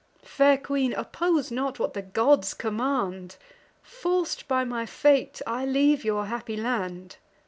Fair queen, oppose not what the gods command; Forc'd by my fate, I leave your happy land."